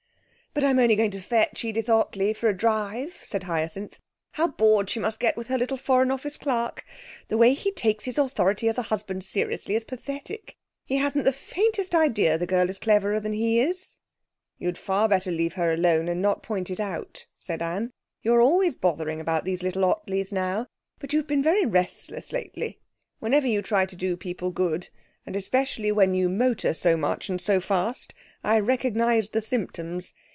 'But I'm only going to fetch Edith Ottley for a drive,' said Hyacinth. 'How bored she must get with her little Foreign Office clerk! The way he takes his authority as a husband seriously is pathetic. He hasn't the faintest idea the girl is cleverer than he is.' 'You'd far better leave her alone, and not point it out,' said Anne. 'You're always bothering about these little Ottleys now. But you've been very restless lately. Whenever you try to do people good, and especially when you motor so much and so fast, I recognise the symptoms.